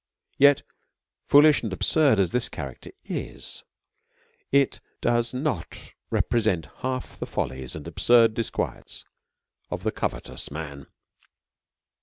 But yet, foolish and absurd as this character is, it does not represent half the follies and absurd disquiets of the covetous man.